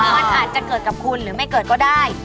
มันอาจจะเกิดกับคุณหรือไม่เกิดก็ได้